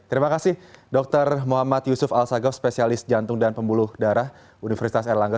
terima kasih dr muhammad yusuf al sagos spesialis jantung dan pembuluh darah universitas erlangga